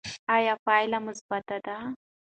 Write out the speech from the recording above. ایا پایله مثبته ده؟